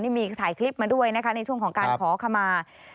นี่มีถ่ายคลิปมาด้วยนะคะในช่วงของการขอขมา